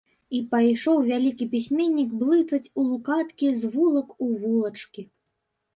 І пайшоў вялікі пісьменнік блытаць улукаткі з вулак у вулачкі.